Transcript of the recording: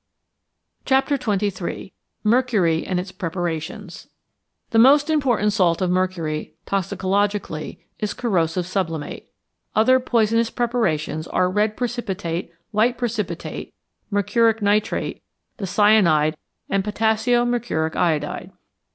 XXIII. MERCURY AND ITS PREPARATIONS The most important salt of mercury, toxicologically, is corrosive sublimate. Other poisonous preparations are red precipitate, white precipitate, mercuric nitrate, the cyanide and potassio mercuric iodide.